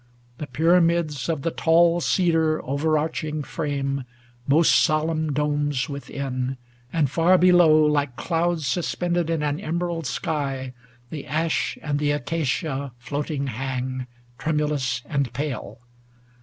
The pyramids Of the tall cedar overarching frame Most solemn domes within, and far below. Like clouds suspended in an emerald sky, The ash and the acacia floating hang Tremulous and pale.